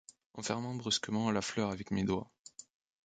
En fermant brusquement la fleur avec mes doigts.